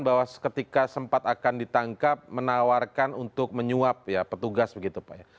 bahwa ketika sempat akan ditangkap menawarkan untuk menyuap ya petugas begitu pak ya